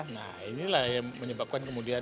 nah inilah yang menyebabkan kemudian